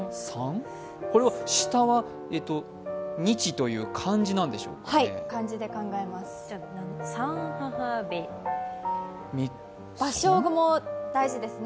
下は日という漢字なんでしょうかね？